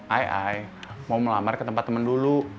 ayo ayo mau melamar ke tempat temen dulu